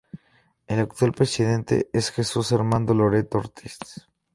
El actual presidente es Jesús Armando Loreto Ortiz.